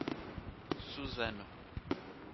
Suzano